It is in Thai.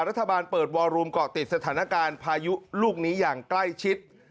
รัฐบาลเปิดวอรูมเกาะติดสถานการณ์พายุลูกนี้อย่างใกล้ชิด